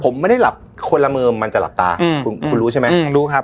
ผมไม่ได้หลับคนละเมอมันจะหลับตาอืมคุณคุณรู้ใช่ไหมคุณรู้ครับ